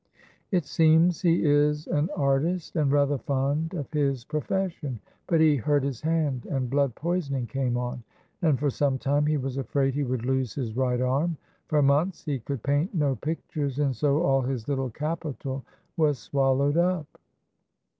"It seems he is an artist and rather fond of his profession, but he hurt his hand, and blood poisoning came on, and for some time he was afraid he would lose his right arm; for months he could paint no pictures, and so all his little capital was swallowed up."